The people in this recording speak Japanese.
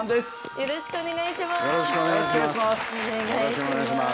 よろしくお願いします。